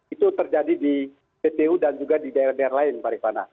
itu terjadi di ppu dan juga di daerah daerah lain pak rifana